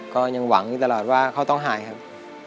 ก็ยังหวังอยู่ตลอดว่าเขาต้องหายครับ